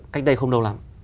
cách đây không đâu lắm